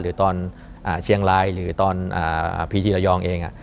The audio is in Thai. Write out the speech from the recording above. หรือตอนเชียงรายหรือตอนพีทีระยองเอง